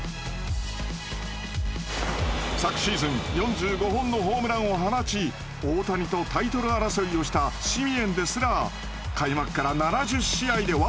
昨シーズン４５本のホームランを放ち大谷とタイトル争いをしたシミエンですら開幕から７０試合で僅か７本。